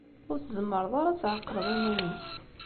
Ur tzemmreḍ ara ad tɛeqleḍ iman-ik.